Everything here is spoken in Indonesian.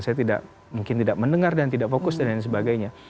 saya tidak mungkin tidak mendengar dan tidak fokus dan lain sebagainya